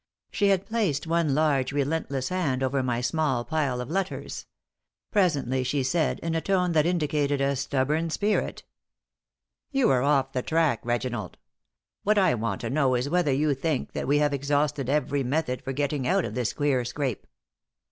She had placed one large relentless hand over my small pile of letters. Presently, she said, in a tone that indicated a stubborn spirit: "You are off the track, Reginald. What I want to know is whether you think that we have exhausted every method for getting out of this queer scrape?"